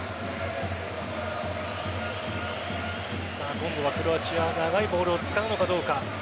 今度はクロアチア長いボールを使うのかどうか。